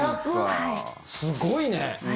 すごいね。